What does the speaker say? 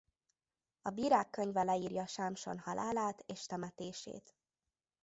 A Bírák könyve leírja Sámson halálát és temetését.